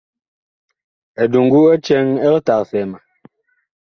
Eduŋgu ɛ cɛŋ ɛg tagsɛɛ ma.